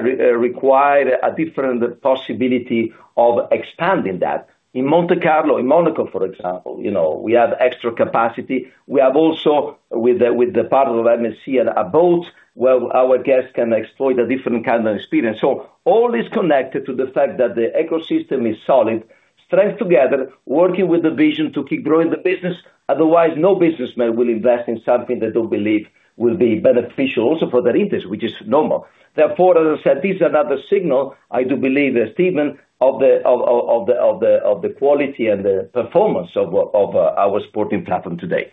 S5: require a different possibility of expanding that. In Monte Carlo, in Monaco, for example, you know, we have extra capacity. We have also with the partner of MSC and Abolt, where our guests can exploit a different kind of experience. All is connected to the fact that the ecosystem is solid, strength together, working with the vision to keep growing the business. Otherwise, no businessman will invest in something they don't believe will be beneficial also for their interest, which is normal. Therefore, as I said, this is another signal I do believe, Steven Cahall, of the quality and the performance of our sporting platform today.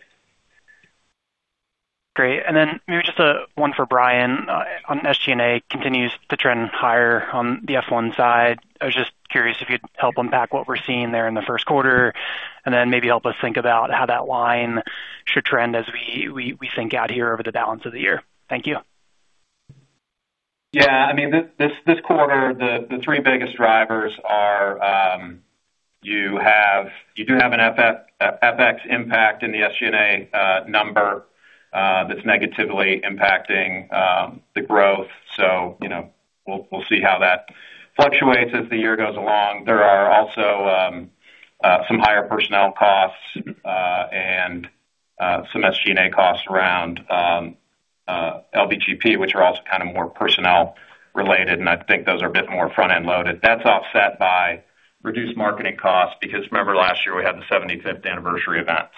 S9: Great. Maybe just one for Brian. On SG&A continues to trend higher on the F1 side. I was just curious if you'd help unpack what we're seeing there in the first quarter, and then maybe help us think about how that line should trend as we think out here over the balance of the year. Thank you.
S4: This quarter, the three biggest drivers are, you do have an FX impact in the SG&A number that's negatively impacting the growth. We'll see how that fluctuates as the year goes along. There are also some higher personnel costs and some SG&A costs around LVGP, which are also kind of more personnel related, and I think those are a bit more front-end loaded. That's offset by reduced marketing costs because remember last year we had the 75th anniversary event.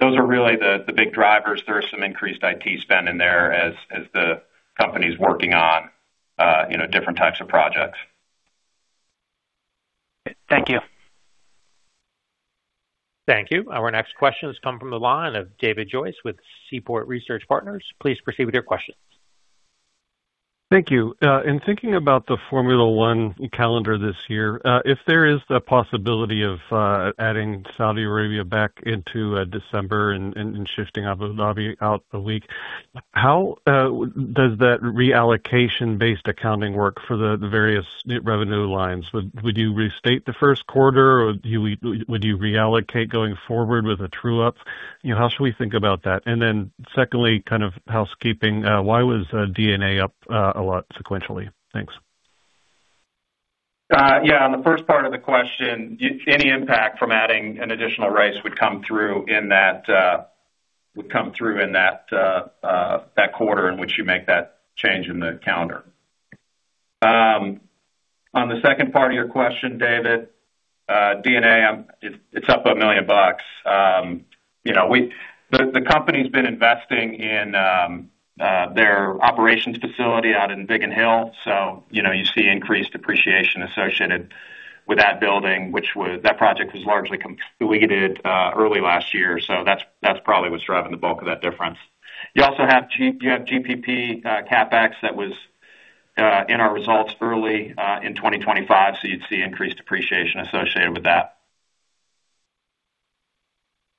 S4: Those are really the big drivers. There are some increased IT spend in there as the company's working on, you know, different types of projects.
S9: Thank you.
S1: Thank you. Our next question has come from the line of David Joyce with Seaport Research Partners. Please proceed with your questions.
S10: Thank you. In thinking about the Formula One calendar this year, if there is the possibility of adding Saudi Arabia back into December and shifting Abu Dhabi out a week, how does that reallocation based accounting work for the various revenue lines? Would you restate the first quarter, or would you reallocate going forward with a true up? You know, how should we think about that? Secondly, kind of housekeeping, why was D&A up a lot sequentially? Thanks.
S4: Yeah, on the first part of the question, any impact from adding an additional race would come through in that quarter in which you make that change in the calendar. On the second part of your question, David, D&A, it's up $1 million. You know, the company's been investing in their operations facility out in Biggin Hill, so, you know, you see increased depreciation associated with that building, that project was largely completed early last year. That's probably what's driving the bulk of that difference. You also have LVGP CapEx that was in our results early in 2025, so you'd see increased depreciation associated with that.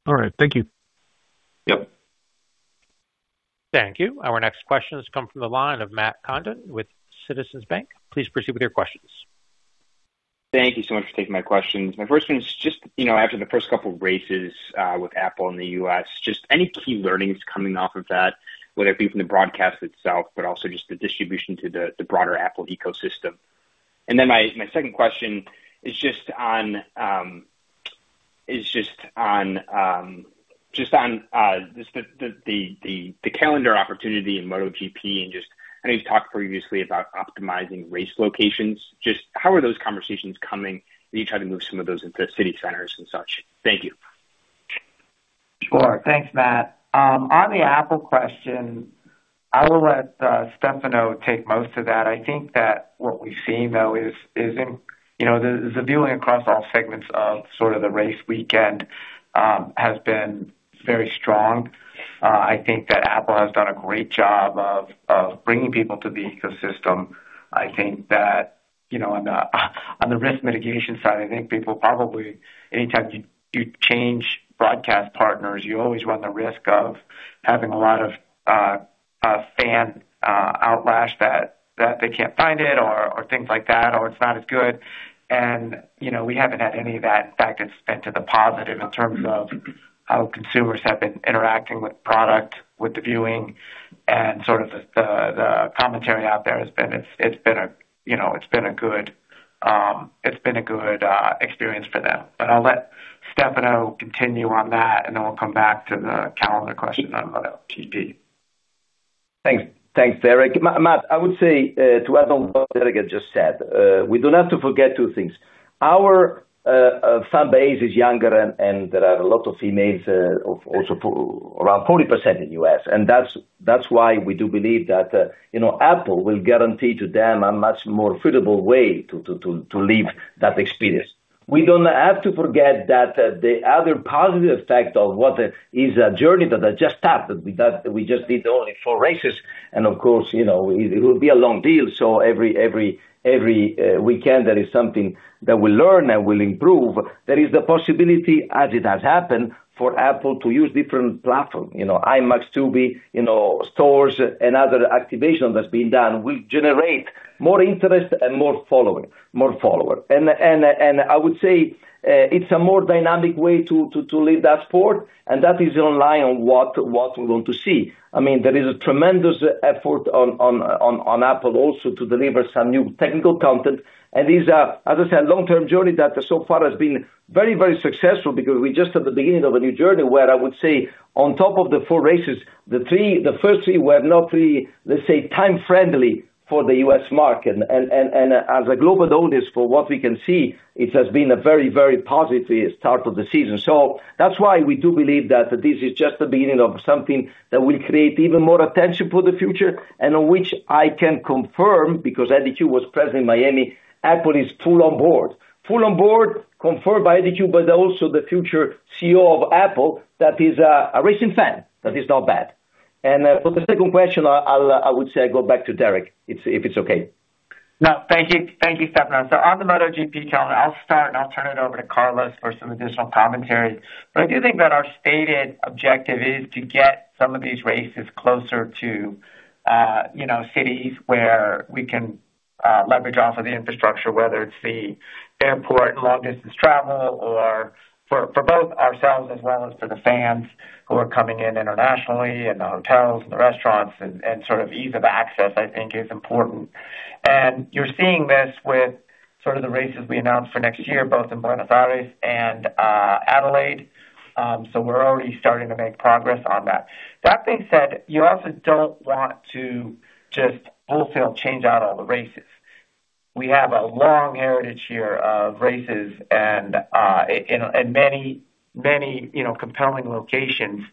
S10: All right. Thank you.
S4: Yep.
S1: Thank you. Our next question has come from the line of Matthew Condon with Citizens Bank. Please proceed with your questions.
S11: Thank you so much for taking my questions. My first one is after the first couple of races with Apple in the U.S., any key learnings coming off of that, whether it be from the broadcast itself, but also the distribution to the broader Apple ecosystem. My second question is on the calendar opportunity in MotoGP and I know you've talked previously about optimizing race locations. How are those conversations coming as you try to move some of those into city centers and such? Thank you.
S3: Sure. Thanks, Matt. On the Apple question, I will let Stefano take most of that. I think that what we've seen, though, is in, you know, the viewing across all segments of sort of the race weekend, has been very strong. I think that Apple has done a great job of bringing people to the ecosystem. I think that, you know, on the risk mitigation side, I think people probably anytime you change broadcast partners, you always run the risk of having a lot of fan outlash that they can't find it or things like that, or it's not as good. You know, we haven't had any of that. In fact, it's been to the positive in terms of how consumers have been interacting with product, with the viewing, and sort of the commentary out there has been it's been a, you know, it's been a good experience for them. I'll let Stefano continue on that, and then we'll come back to the calendar question on MotoGP.
S5: Thanks. Thanks, Derek. Matt, I would say, to add on what Derek has just said, we do not have to forget two things. Our fan base is younger and there are a lot of females, around 40% in U.S., and that's why we do believe that, you know, Apple will guarantee to them a much more fruitful way to live that experience. We don't have to forget that the other positive effect of what is a journey that has just happened, because we just did only four races and of course, you know, it will be a long deal. Every weekend, there is something that we learn and we'll improve. There is the possibility, as it has happened, for Apple to use different platform. You know, IMAX to be, you know, stores and other activation that's being done will generate more interest and more following. I would say, it's a more dynamic way to lead that sport, and that is in line on what we're going to see. I mean, there is a tremendous effort on Apple also to deliver some new technical content. These are, as I said, long-term journey that so far has been very, very successful because we're just at the beginning of a new journey where I would say, on top of the four races, the first three were not really, let's say, time friendly for the U.S. market. As a global audience, for what we can see, it has been a very, very positive start of the season. That's why we do believe that this is just the beginning of something that will create even more attention for the future, and on which I can confirm, because Eddy Cue was present in Miami, Apple is full on board. Full on board, confirmed by Eddy Cue, but also the future CEO of Apple, that he's a racing fan. That is not bad. For the second question, I would say go back to Derek Chang, if it's okay.
S3: No, thank you. Thank you, Stefano. On the MotoGP calendar, I'll start and I'll turn it over to Carlos for some additional commentary. I do think that our stated objective is to get some of these races closer to, you know, cities where we can leverage off of the infrastructure, whether it's the airport and long distance travel or for both ourselves as well as for the fans who are coming in internationally and the hotels and the restaurants and sort of ease of access, I think is important. You're seeing this with sort of the races we announced for next year, both in Buenos Aires and Adelaide. We're already starting to make progress on that. That being said, you also don't want to just wholesale change out all the races. We have a long heritage here of races and many, many, you know, compelling locations,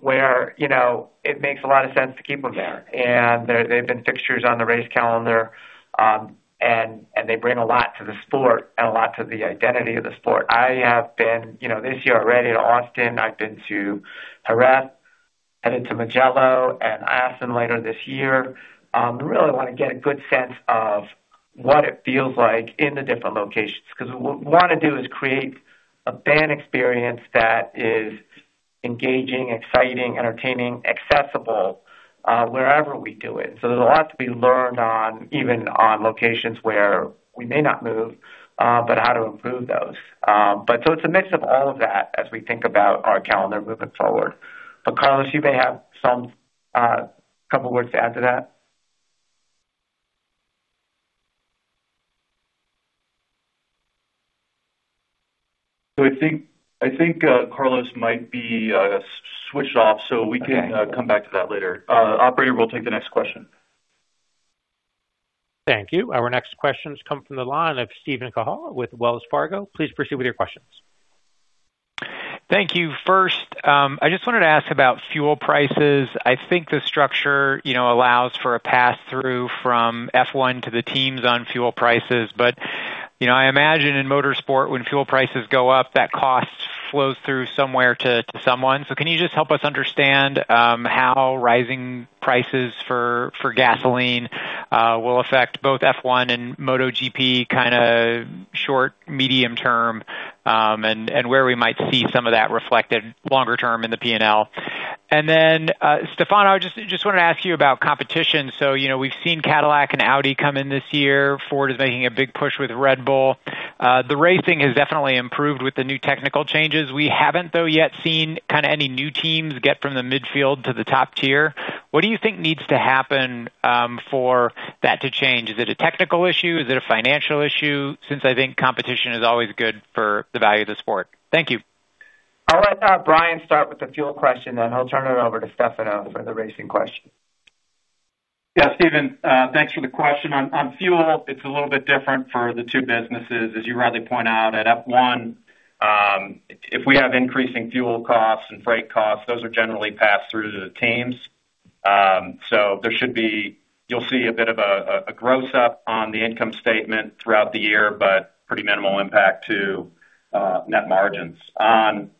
S3: where, you know, it makes a lot of sense to keep them there. They've been fixtures on the race calendar, and they bring a lot to the sport and a lot to the identity of the sport. I have been, you know, this year already to Austin, I've been to Jerez, headed to Mugello and Assen later this year. We really wanna get a good sense of what it feels like in the different locations, because what we wanna do is create a fan experience that is engaging, exciting, entertaining, accessible, wherever we do it. There's a lot to be learned on even on locations where we may not move, but how to improve those. It's a mix of all of that as we think about our calendar moving forward. Carlos, you may have some couple words to add to that.
S2: I think Carlos might be switched off, so we can.
S3: Okay.
S2: Come back to that later. Operator, we'll take the next question.
S1: Thank you. Our next question comes from the line of Steven Cahall with Wells Fargo. Please proceed with your questions.
S12: Thank you. First, I just wanted to ask about fuel prices. I think the structure, you know, allows for a pass-through from F1 to the teams on fuel prices. You know, I imagine in motorsport, when fuel prices go up, that cost flows through somewhere to someone. Can you just help us understand how rising prices for gasoline will affect both F1 and MotoGP, kinda short, medium term, and where we might see some of that reflected longer term in the P&L? Then, Stefano, I just wanted to ask you about competition. You know, we've seen Cadillac and Audi come in this year. Ford is making a big push with Red Bull. The racing has definitely improved with the new technical changes. We haven't, though, yet seen kinda any new teams get from the midfield to the top tier. What do you think needs to happen, for that to change? Is it a technical issue? Is it a financial issue? Since I think competition is always good for the value of the sport. Thank you.
S3: I'll let Brian start with the fuel question, then he'll turn it over to Stefano for the racing question.
S4: Steven, thanks for the question. On fuel, it's a little bit different for the two businesses. As you rightly point out, at F1, if we have increasing fuel costs and freight costs, those are generally passed through to the teams. You'll see a bit of a gross up on the income statement throughout the year, but pretty minimal impact to net margins. On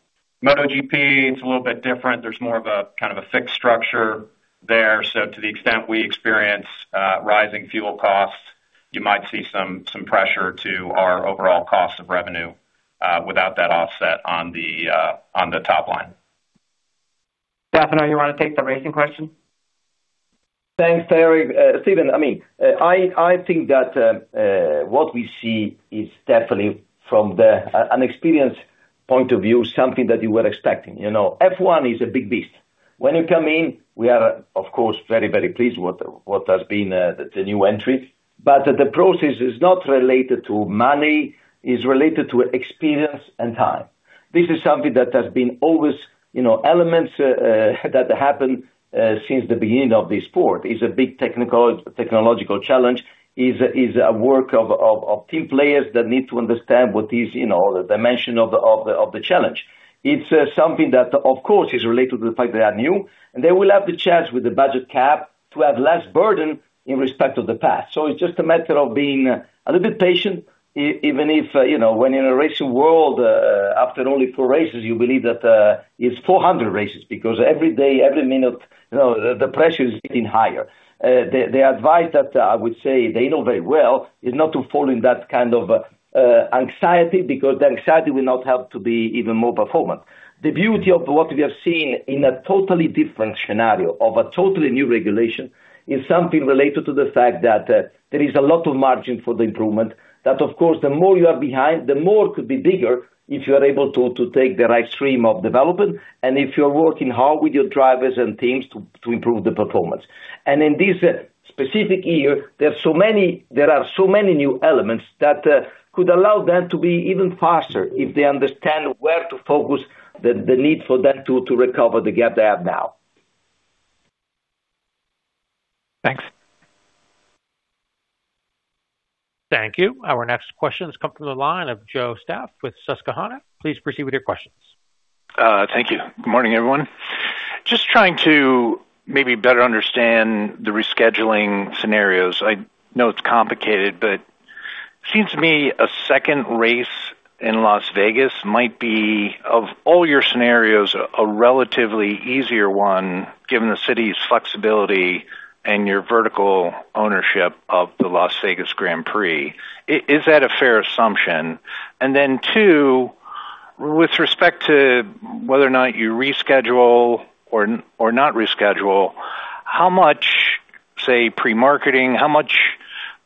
S4: MotoGP, it's a little bit different. There's more of a kind of a fixed structure there. To the extent we experience rising fuel costs, you might see some pressure to our overall cost of revenue without that offset on the top line.
S3: Stefano, you wanna take the racing question?
S5: Thanks, Derek. Steven, I mean, I think that what we see is definitely from an experience point of view, something that you were expecting. You know, F1 is a big beast. When you come in, we are of course, very pleased what has been the new entry. The process is not related to money, is related to experience and time. This is something that has been always, you know, elements that happened since the beginning of this sport. Is a big technological challenge. Is a work of team players that need to understand what is, you know, the dimension of the challenge. It's something that, of course, is related to the fact they are new, and they will have the chance with the budget cap to have less burden in respect of the past. It's just a method of being a little bit patient, even if, you know, when in a racing world, after only four races, you believe that it's 400 races because every day, every minute, you know, the pressure is getting higher. The advice that I would say they know very well is not to fall in that kind of anxiety, because the anxiety will not help to be even more performant. The beauty of what we have seen in a totally different scenario of a totally new regulation is something related to the fact that there is a lot of margin for the improvement. That of course, the more you are behind, the more could be bigger if you are able to take the right stream of development and if you're working hard with your drivers and teams to improve the performance. In this specific year, there are so many new elements that could allow them to be even faster if they understand where to focus the need for them to recover the gap they have now.
S12: Thanks.
S1: Thank you. Our next question has come from the line of Joseph Stauff with Susquehanna. Please proceed with your questions.
S13: Thank you. Good morning, everyone. Just trying to maybe better understand the rescheduling scenarios. I know it's complicated, but seems to me a second race in Las Vegas might be, of all your scenarios, a relatively easier one, given the city's flexibility and your vertical ownership of the Las Vegas Grand Prix. Is that a fair assumption? Then two, with respect to whether or not you reschedule or not reschedule, how much, say, pre-marketing, how much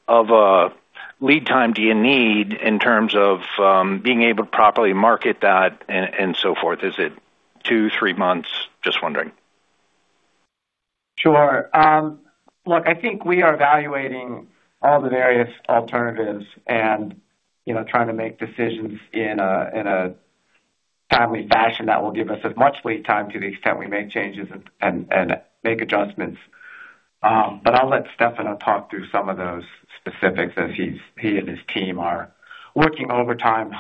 S13: of a lead time do you need in terms of being able to properly market that and so forth? Is it two, three months? Just wondering.
S3: Sure. Look, I think we are evaluating all the various alternatives and, you know, trying to make decisions in a timely fashion that will give us as much lead time to the extent we make changes and make adjustments. I'll let Stefano talk through some of those specifics as he and his team are working overtime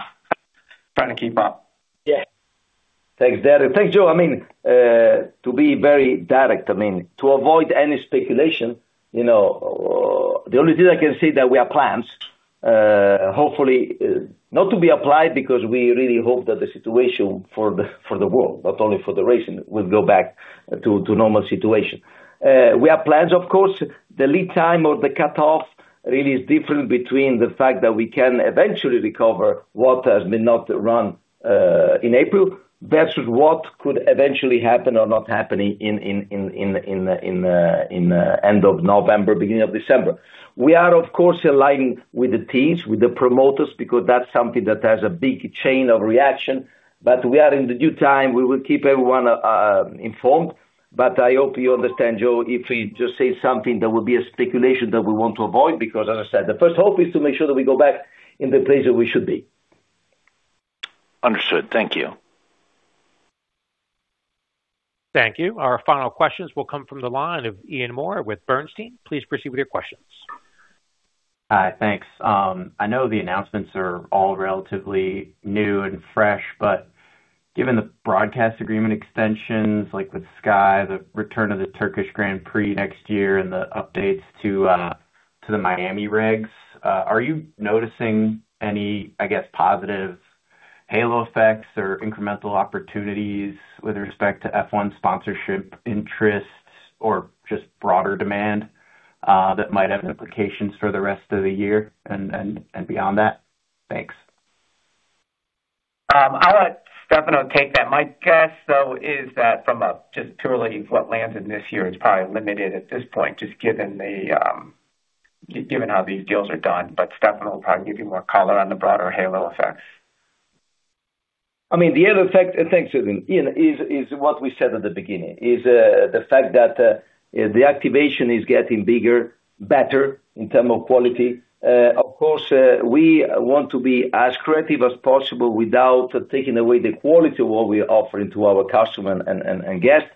S3: trying to keep up.
S5: Yeah. Thanks, Derek. Thanks, Joe. I mean, to be very direct, I mean, to avoid any speculation, you know, the only thing I can say that we have plans, hopefully not to be applied because we really hope that the situation for the world, not only for the racing, will go back to normal situation. We have plans, of course. The lead time or the cutoff really is different between the fact that we can eventually recover what has been not run in April versus what could eventually happen or not happen in end of November, beginning of December. We are of course aligning with the teams, with the promoters, because that's something that has a big chain of reaction. We are in the due time, we will keep everyone informed. I hope you understand, Joseph, if we just say something that will be a speculation that we want to avoid, because as I said, the first hope is to make sure that we go back in the place that we should be.
S13: Understood. Thank you.
S1: Thank you. Our final questions will come from the line of Ian Moore with Bernstein. Please proceed with your questions.
S14: Hi. Thanks. I know the announcements are all relatively new and fresh, but given the broadcast agreement extensions, like with Sky, the return of the Turkish Grand Prix next year and the updates to the Miami Grand Prix, are you noticing any, I guess, positive halo effects or incremental opportunities with respect to F1 sponsorship interests or just broader demand that might have implications for the rest of the year and beyond that? Thanks.
S3: I'll let Stefano take that. My guess, though, is that from a just purely what lands in this year is probably limited at this point, just given the given how these deals are done. Stefano will probably give you more color on the broader halo effects.
S5: I mean, the halo effect, thanks, Ian, is what we said at the beginning, the fact that the activation is getting bigger, better in terms of quality. Of course, we want to be as creative as possible without taking away the quality of what we are offering to our customer and guests.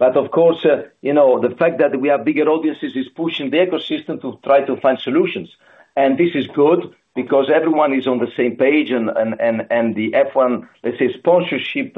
S5: Of course, you know, the fact that we have bigger audiences is pushing the ecosystem to try to find solutions. This is good because everyone is on the same page and the F1, let's say, sponsorship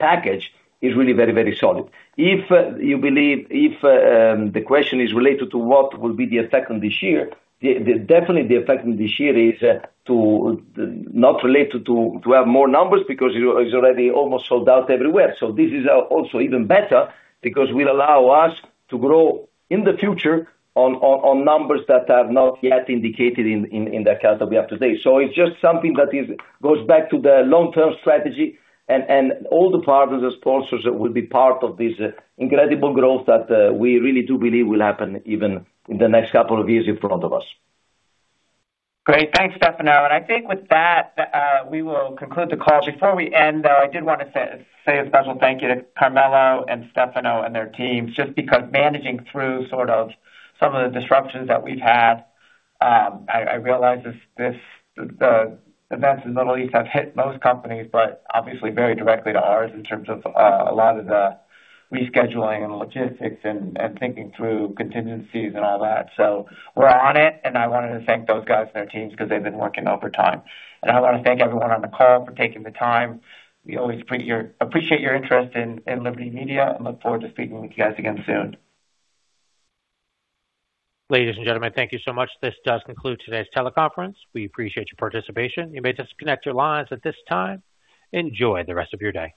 S5: package is really very solid. If the question is related to what will be the effect on this year, the definitely the effect on this year is not related to have more numbers because it's already almost sold out everywhere. This is also even better because will allow us to grow in the future on numbers that are not yet indicated in the accounts that we have today. It's just something that goes back to the long-term strategy and all the partners and sponsors that will be part of this incredible growth that we really do believe will happen even in the next couple of years in front of us.
S3: Great. Thanks, Stefano. I think with that, we will conclude the call. Before we end, though, I did wanna say a special thank you to Carmelo and Stefano and their teams, just because managing through sort of some of the disruptions that we've had, I realize the events in the Middle East have hit most companies, but obviously very directly to ours in terms of a lot of the rescheduling and logistics and thinking through contingencies and all that. We're on it. I wanted to thank those guys and their teams because they've been working overtime. I wanna thank everyone on the call for taking the time. We always appreciate your interest in Liberty Media, and look forward to speaking with you guys again soon.
S1: Ladies and gentlemen, thank you so much. This does conclude today's teleconference. We appreciate your participation. You may disconnect your lines at this time. Enjoy the rest of your day.